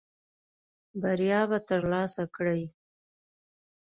بریا به ترلاسه کړې .